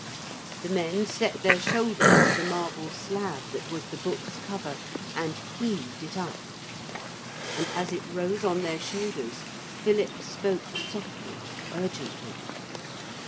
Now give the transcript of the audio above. The men set their shoulders to the marble slab that was the book's cover and heaved it up. And as it rose on their shoulders Philip spoke softly, urgently.